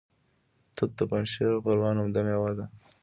توت د پنجشیر او پروان عمده میوه ده